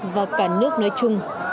và cả nước nói chung